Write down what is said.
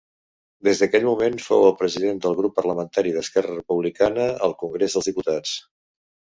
Des d'aquell moment fou el president del Grup Parlamentari d'Esquerra Republicana al Congrés dels Diputats.